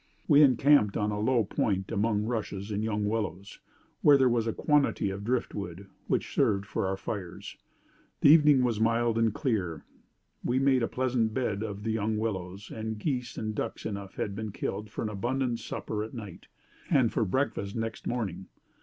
We encamped on a low point among rushes and young willows, where there was a quantity of driftwood, which served for our fires. The evening was mild and clear; we made a pleasant bed of the young willows; and geese and ducks enough had been killed for an abundant supper at night, and for breakfast next morning.